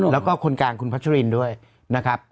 แล้วก็คนกลางคุณพัชรินด้วยนะครับ